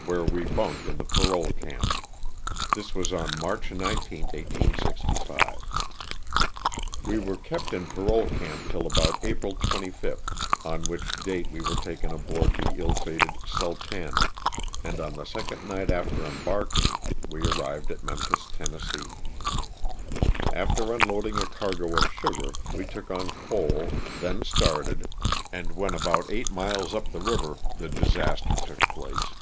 where we bunked in the parole camp. This was on March 19, 1865. We were kept in parole camp till about April 25th, on which date we were taken aboard the ill fated *' Sul tana," and on the second night after embarking we ar rived at Memphis, Tenn. After unloading a cargo of sugar we took on coal, then started, and when about eight miles up the river the disaster took place.